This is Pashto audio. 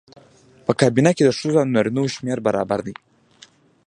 په کابینه کې د ښځو او نارینه وو شمېر برابر دی.